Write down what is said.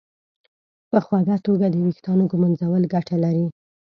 په خوږه توګه د ویښتانو ږمنځول ګټه لري.